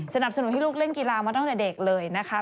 สนับสนุนให้ลูกเล่นกีฬามาตั้งแต่เด็กเลยนะคะ